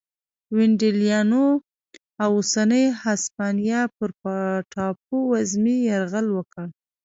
ونډالیانو د اوسنۍ هسپانیا پر ټاپو وزمې یرغل وکړ